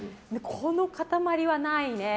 この塊はないね。